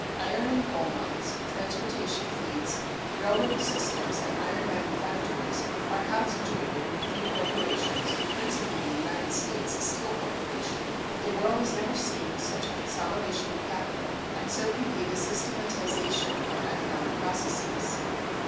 Iron and coal mines, transportation fleets, railroad systems, and iron manufactories are concentrated in a few corporations, principally the United States Steel Corporation. The world has never seen such a consolidation of capital and so complete a systematization of economic processes.